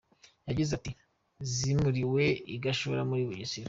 Yagize ati “Zimuriwe i Gashora muri Bugesera.